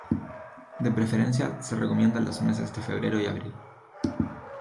De preferencia se recomienda los meses de febrero y abril.